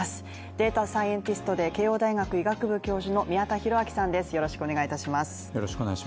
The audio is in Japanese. データサイエンティストで慶応大学医学部教授の宮田裕章さんです。